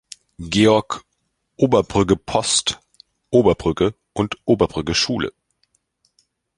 Georg“, „Oberbrügge Post“, „Oberbrügge“ und „Oberbrügge Schule“.